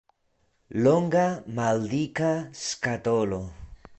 Longa, maldika skatolo.